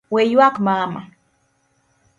We yuak mama.